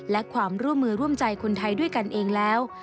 และความร่วมมือร่วมใจคนไทยด้วยกันเองแล้ว